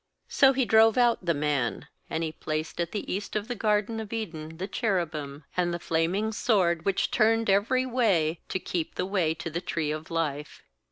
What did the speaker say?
^So He drove out the man; and He placed at the east of the garden of Eden the cherubim, and the flaming sword which turned every way, to keep the way to the tree of life.